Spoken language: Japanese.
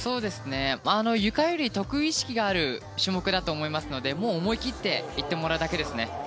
ゆかより得意意識がある種目だと思うのでもう思い切って行ってもらうだけですね。